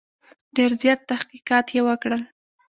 ډېر زیات تحقیقات یې وکړل.